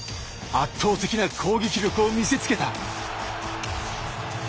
圧倒的な攻撃力を見せつけた。